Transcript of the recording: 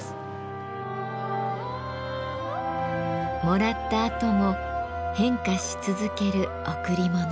もらったあとも変化し続ける贈り物。